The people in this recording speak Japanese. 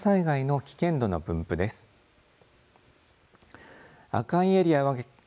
では、現在の土砂災害の危険度の分布です。